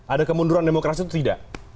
ada kemunduran demokrasi atau tidak